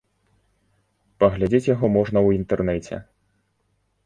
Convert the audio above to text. Паглядзець яго можна ў інтэрнэце.